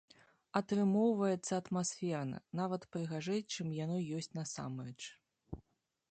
Атрымоўваецца атмасферна, нават прыгажэй, чым яно ёсць насамрэч.